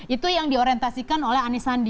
itu yang diorientasikan oleh anisandi